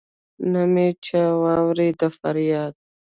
نه مي چا واوريد فرياد